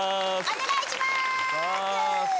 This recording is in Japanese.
お願いしまーす！